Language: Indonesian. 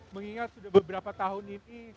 mengingat sudah beberapa tahun ini